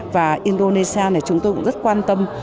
và indonesia này chúng tôi cũng rất quan tâm